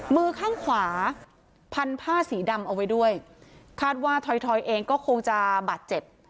มือข้างขวาพันผ้าสีดำเอาไว้ด้วยคาดว่าถอยเองก็คงจะบาดเจ็บ